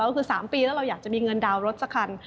ก็คือ๓ปีแล้วเราอยากจะมีเงินดาวน์รถสักคัน